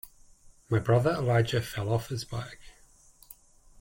My brother Elijah fell off his bike.